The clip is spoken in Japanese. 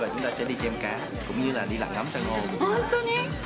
本当に？